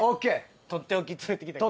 取って置き連れてきたけど。